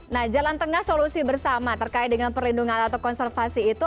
nah jalan tengah solusi bersama terkait dengan perlindungan atau konservasi itu